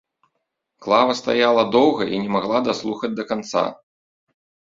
Клава стаяла доўга і не магла даслухаць да канца.